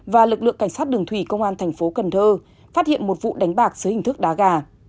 và lực lượng cảnh sát đường thủy công an thành phố cần thơ phát hiện một vụ đánh bạc dưới hình thức đá gà